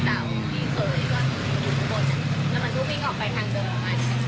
แล้วโทรศัพท์ก็ล่วงนะครับ